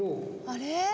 あれ？